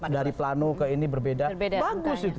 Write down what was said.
dari plano ke ini berbeda bagus itu